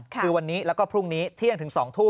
คือวันนี้แล้วพรุ่งนี้เที่ยงถึง๑๒๐๐